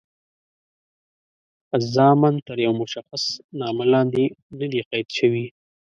الزاماً تر یوه مشخص نامه لاندې نه دي قید شوي.